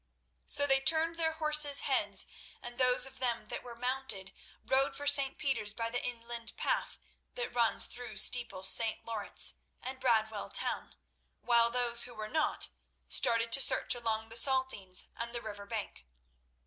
So they turned their horses' heads, and those of them that were mounted rode for St. Peter's by the inland path that runs through Steeple St. Lawrence and Bradwell town, while those who were not, started to search along the Saltings and the river bank.